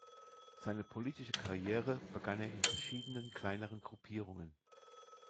Seine politische Karriere begann er in verschiedenen kleineren Gruppierungen.